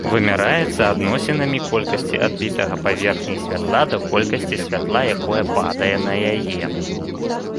Вымяраецца адносінамі колькасці адбітага паверхняй святла да колькасці святла, якое падае на яе.